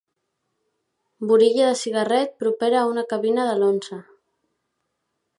Burilla de cigarret propera a una cabina de l'Once.